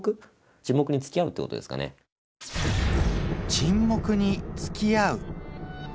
沈黙につきあう。